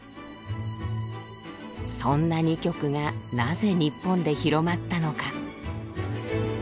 そんな２曲がなぜ日本で広まったのか？